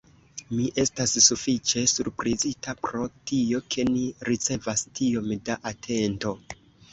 Mi estas sufiĉe surprizita pro tio, ke ni ricevas tiom da atento.